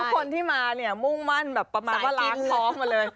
คนที่มาเนี่ยมุ่งมั่นแบบประมาณว่าล้างท้องมาเลย